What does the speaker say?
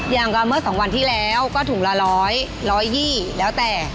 อย่างกับเมื่อ๒วันที่แล้วก็ถุงละ๑๐๐๑๒๐แล้วแต่